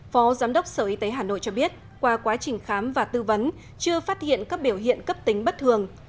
phó giám đốc sở y tế hà nội cho biết qua quá trình khám và tư vấn chưa phát hiện các biểu hiện cấp tính bất thường